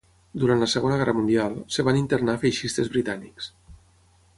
Durant la Segona Guerra Mundial, es van internar feixistes britànics.